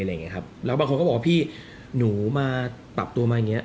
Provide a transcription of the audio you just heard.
แล้วบางคนก็บอกว่าพี่หนูมาปรับตัวมาอย่างเงี้